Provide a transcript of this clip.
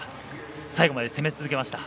最後まで攻め続けました。